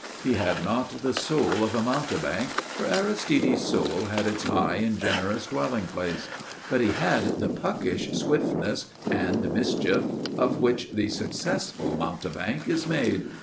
He had not the soul of a mountebank, for Aristide's soul had its high and generous dwelling place; but he had the puckish swiftness and mischief of which the successful mountebank is made.